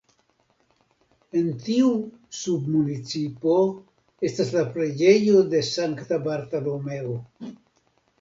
En tiu submunicipo estas la preĝejo de Sankta Bartolomeo.